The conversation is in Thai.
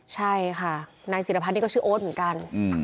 ใช่ค่ะนายศิรพัฒน์นี่ก็ชื่อโอ๊ตเหมือนกัน